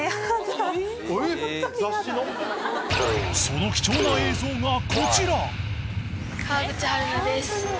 ［その貴重な映像がこちら］